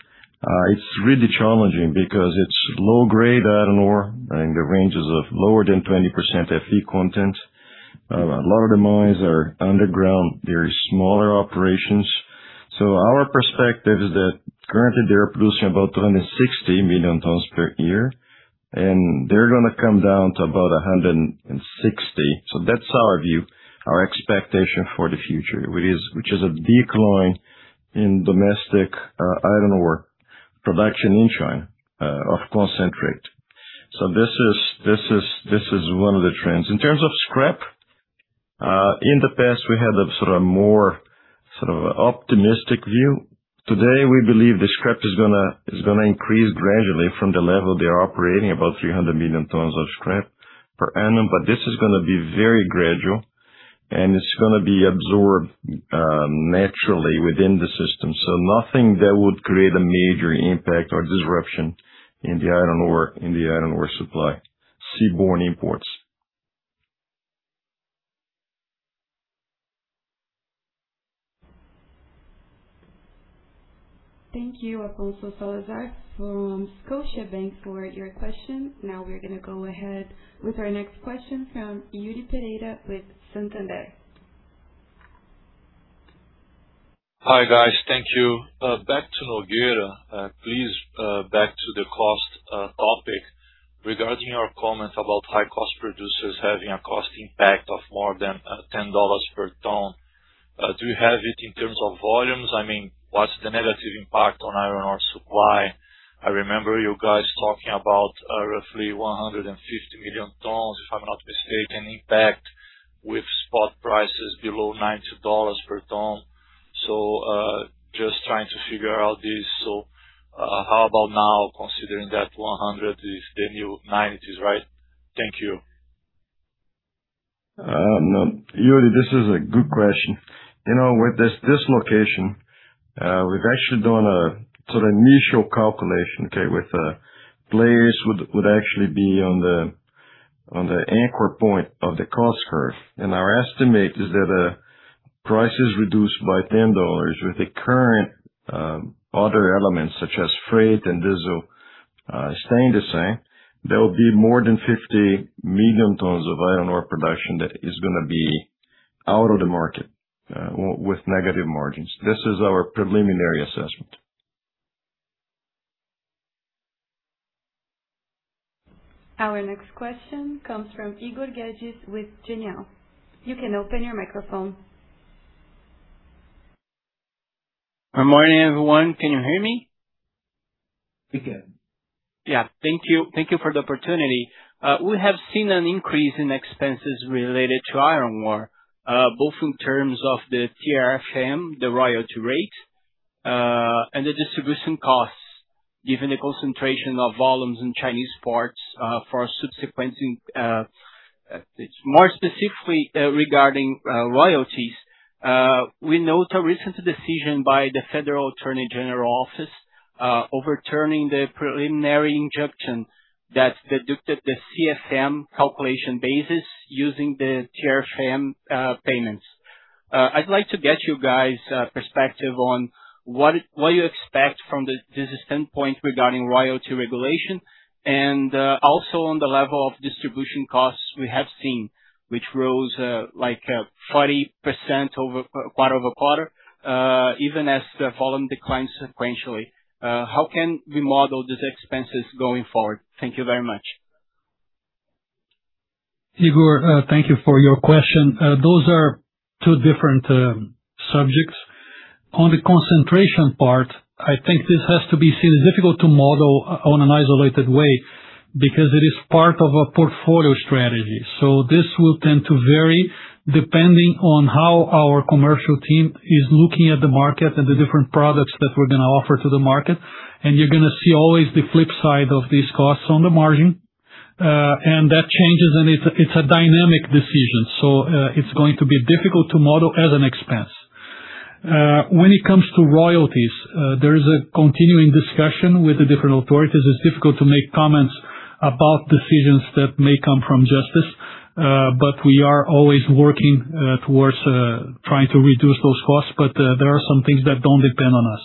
F: it's really challenging because it's low grade iron ore in the ranges of lower than 20% Fe content. A lot of the mines are underground. They're smaller operations. Our perspective is that currently they are producing about 260 million tons per year, and they're gonna come down to about 160 million tons. That's our view, our expectation for the future, which is a decline in domestic iron ore production in China of concentrate. This is one of the trends. In terms of scrap, in the past we had a sort of more optimistic view. Today, we believe the scrap is gonna increase gradually from the level they're operating, about 300 million tons of scrap per annum. This is gonna be very gradual and it's gonna be absorbed naturally within the system. Nothing that would create a major impact or disruption in the iron ore supply, seaborne imports.
A: Thank you, Alfonso Salazar from Scotiabank for your question. Now we're gonna go ahead with our next question from Yuri Pereira with Santander.
O: Hi, guys. Thank you. Back to Rogério. Please, back to the cost topic. Regarding your comments about high cost producers having a cost impact of more than $10 per ton, do you have it in terms of volumes? I mean, what's the negative impact on iron ore supply? I remember you guys talking about, roughly 150 million tons, if I'm not mistaken, impact with spot prices below $90 per ton. Just trying to figure out this. How about now considering that $100 is the new $90, right? Thank you.
F: No. Yuri, this is a good question. You know, with this location, we've actually done a sort of initial calculation, okay. With layers would actually be on the anchor point of the cost curve. Our estimate is that prices reduced by $10 with the current other elements such as freight and diesel, staying the same, there will be more than 50 million tons of iron ore production that is going to be out of the market with negative margins. This is our preliminary assessment.
A: Our next question comes from Igor Guedes with Genial. You can open your microphone.
P: Good morning, everyone. Can you hear me?
F: We can.
P: Yeah. Thank you. Thank you for the opportunity. We have seen an increase in expenses related to iron ore, both in terms of the CFEM, the royalty rate, and the distribution costs, given the concentration of volumes in Chinese ports for subsequent. More specifically, regarding royalties, we note a recent decision by the Federal Attorney General Office overturning the preliminary injunction that deducted the CSM calculation basis using the CFEM payments. I'd like to get you guys' perspective on what you expect from this standpoint regarding royalty regulation and also on the level of distribution costs we have seen, which rose like 40% quarter-over-quarter, even as the volume declined sequentially. How can we model these expenses going forward? Thank you very much.
C: Igor, thank you for your question. Those are two different subjects. On the concentration part, I think this has to be seen as difficult to model on an isolated way because it is part of a portfolio strategy. This will tend to vary depending on how our commercial team is looking at the market and the different products that we're gonna offer to the market. You're gonna see always the flip side of these costs on the margin. That changes, and it's a dynamic decision. It's going to be difficult to model as an expense. When it comes to royalties, there is a continuing discussion with the different authorities. It's difficult to make comments about decisions that may come from justice, we are always working towards trying to reduce those costs. There are some things that don't depend on us.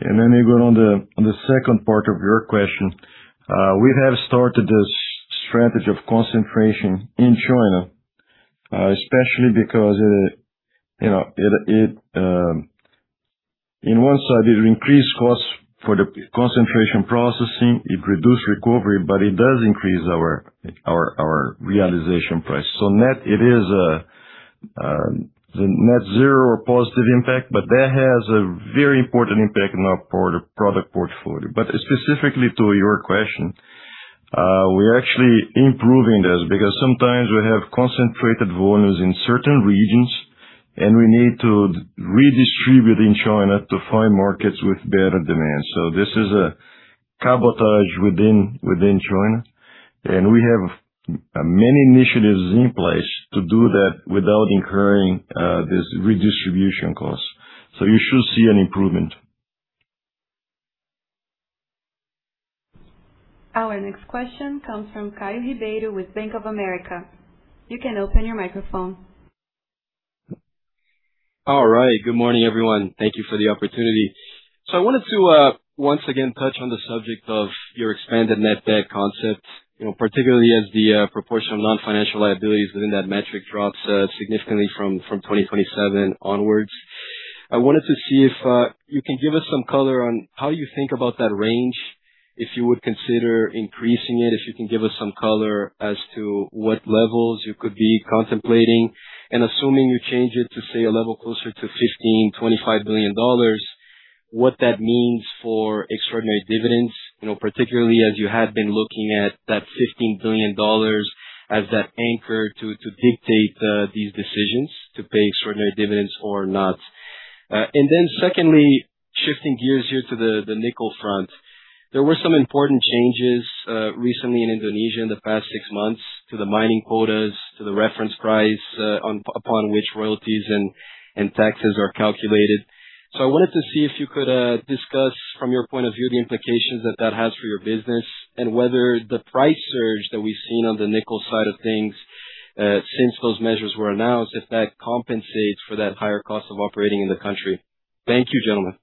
F: Even on the, on the second part of your question, we have started a strategy of concentration in China, especially because, you know, it, in one side, it increased costs for the concentration processing. It reduced recovery, but it does increase our, our realization price. Net, it is net zero or positive impact, but that has a very important impact in our product portfolio. Specifically to your question, we're actually improving this because sometimes we have concentrated volumes in certain regions, and we need to redistribute in China to find markets with better demand. This is a cabotage within China, and we have many initiatives in place to do that without incurring this redistribution cost. You should see an improvement.
A: Our next question comes from Caio Ribeiro with Bank of America. You can open your microphone.
Q: Good morning, everyone. Thank you for the opportunity. I wanted to once again touch on the subject of your expanded net debt concept, you know, particularly as the proportion of non-financial liabilities within that metric drops significantly from 2027 onwards. I wanted to see if you can give us some color on how you think about that range, if you would consider increasing it. If you can give us some color as to what levels you could be contemplating. Assuming you change it to, say, a level closer to $15 billion-$25 billion, what that means for extraordinary dividends. You know, particularly as you had been looking at that $15 billion as that anchor to dictate these decisions to pay extraordinary dividends or not. Secondly, shifting gears here to the nickel front. There were some important changes recently in Indonesia in the past six months to the mining quotas, to the reference price upon which royalties and taxes are calculated. I wanted to see if you could discuss from your point of view the implications that that has for your business and whether the price surge that we've seen on the nickel side of things since those measures were announced, if that compensates for that higher cost of operating in the country. Thank you, gentlemen.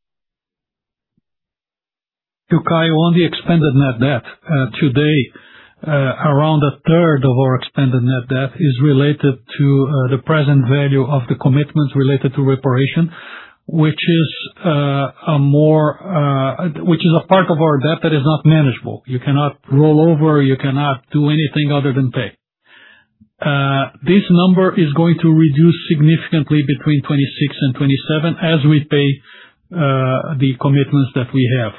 C: To Caio, on the expanded net debt, today, around a third of our expanded net debt is related to the present value of the commitments related to reparation, which is a part of our debt that is not manageable. You cannot roll over, you cannot do anything other than pay. This number is going to reduce significantly between 2026 and 2027 as we pay the commitments that we have.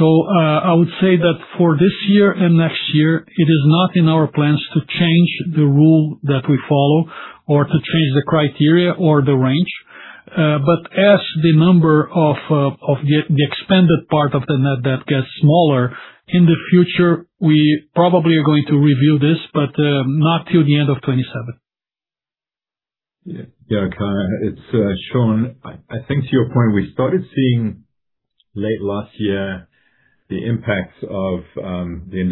C: I would say that for this year and next year, it is not in our plans to change the rule that we follow or to change the criteria or the range. But as the number of the expanded part of the net debt gets smaller, in the future, we probably are going to review this, but not till the end of 2027.
I: Yeah, it's Shaun. I think to your point, we started seeing late last year the impacts of the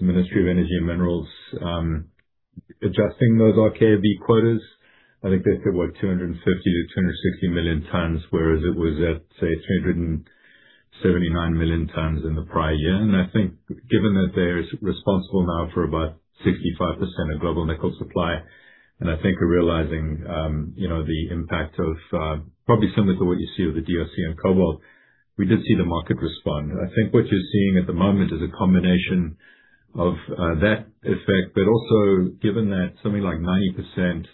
I: Ministry of Energy and Mineral Resources adjusting those RKAB quotas. I think they said, what, 250 million-260 million tons, whereas it was at, say, 379 million tons in the prior year. I think given that they're responsible now for about 65% of global nickel supply, I think we're realizing, you know, the impact of probably similar to what you see with the DRC and cobalt. We did see the market respond. I think what you're seeing at the moment is a combination of that effect. Given that something like 90%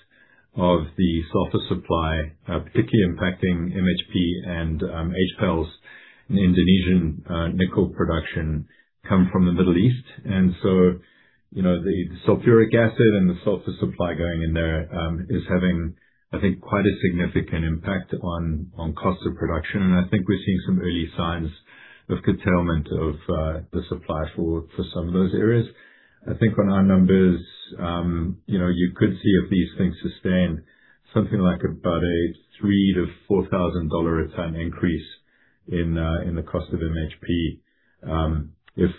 I: of the sulfur supply, particularly impacting MHP and HPAL's Indonesian nickel production come from the Middle East. You know, the sulfuric acid and the sulfur supply going in there is having, I think, quite a significant impact on cost of production. I think we're seeing some early signs of curtailment of the supply for some of those areas. I think on our numbers, you know, you could see if these things sustain something like about a $3,000-$4,000 a ton increase in the cost of MHP. If,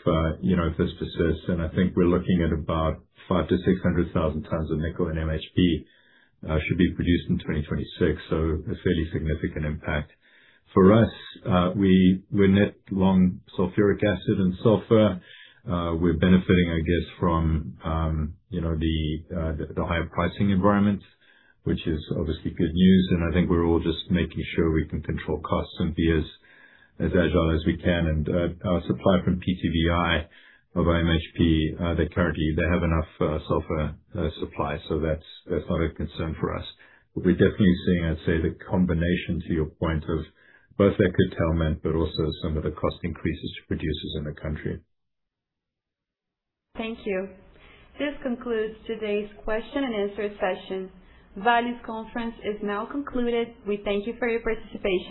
I: you know, if this persists, we're looking at about 500,000-600,000 tons of nickel and MHP should be produced in 2026. A fairly significant impact. For us, we're net long sulfuric acid and sulfur. We're benefiting, I guess, from, you know, the higher pricing environment, which is obviously good news. I think we're all just making sure we can control costs and be as agile as we can. Our supply from PTVI of MHP, they currently have enough sulfur supply, so that's not a concern for us. We're definitely seeing, I'd say, the combination to your point of both that curtailment, but also some of the cost increases for producers in the country.
A: Thank you. This concludes today's question and answer session. Vale's conference is now concluded. We thank you for your participation.